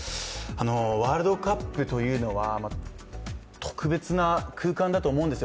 ワールドカップというのは特別な空間だと思うんですよ。